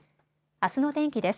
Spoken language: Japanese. あすの天気です。